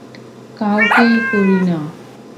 কাউকেই করি না!